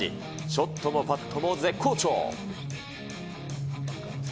ショットもパットも絶好調。